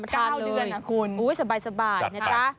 มาทานเลยสบายนะคุณโอ๊ยสบายนะจ๊ะ